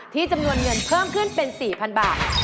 จำนวนเงินเพิ่มขึ้นเป็น๔๐๐๐บาท